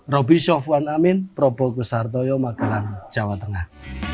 robi sofwan amin progo kesartoyo magelang jawa tengah